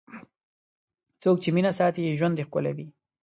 څوک چې مینه ساتي، ژوند یې ښکلی وي.